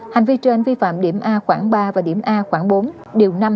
hành vi trên vi phạm điểm a khoảng ba và điểm a khoảng bốn điều năm